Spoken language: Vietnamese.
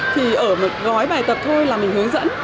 thì ở một gói bài tập thôi là mình hướng dẫn